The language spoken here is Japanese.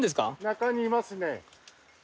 中にいますね。